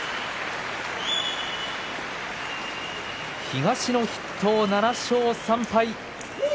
東の筆頭、７勝３敗。